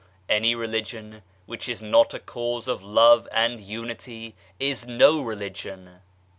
Any religion which is not a cause of Love and Unity is no religion.